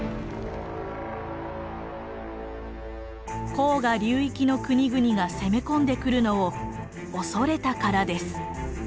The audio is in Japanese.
黄河流域の国々が攻め込んでくるのを恐れたからです。